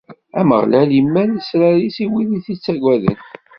Ameɣlal immal lesrar-is i wid i t-ittaggaden.